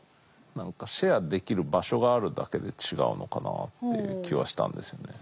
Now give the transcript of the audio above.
何かシェアできる場所があるだけで違うのかなっていう気はしたんですよね。